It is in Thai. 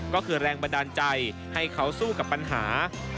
ก็คือแรงบันดาลใจให้เขาสู้กับปัญหา